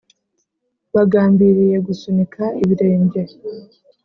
Bagambiriye gusunika ibirenge